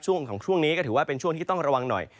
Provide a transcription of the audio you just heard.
ช่วงนี้ก็ถือว่าเป็นช่วงที่ต้องระวังหน่อย